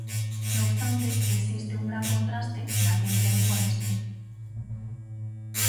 Non obstante, existe un gran contraste daquel tempo a este.